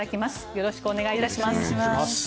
よろしくお願いします。